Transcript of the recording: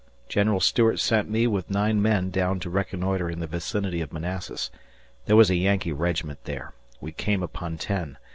General Stuart sent me with nine men down to reconnoitre in the vicinity of Manassas. There was a Yankee regiment there. We came upon ten.